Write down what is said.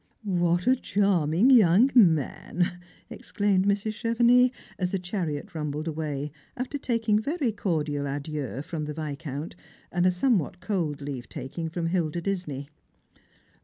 " What a charming young man !" exclaimed Mrs. Chevenix, as the chariot rumbled away, after very cordial adieux from the Viscount, and a somewhat cold leave taking from Hilda Disney.